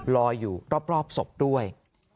ลอยอยู่รอบศพด้วย